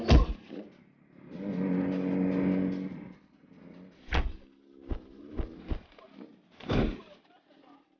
lo sudah bisa berhenti